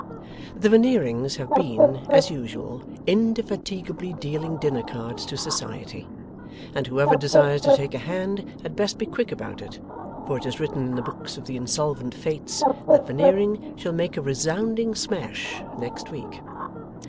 The Veneerings have been, as usual, indefatigably dealing dinner cards to Society, and whoever desires to take a hand had best be quick about it, for it is written in the Books of the Insolvent Fates that Veneering shall make a resounding smash next week.